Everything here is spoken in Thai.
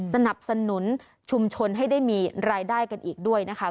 สนับสนุนชุมชนให้ได้มีรายได้กันอีกด้วยนะคะ